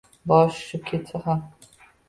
Boshi shishib ketsa ham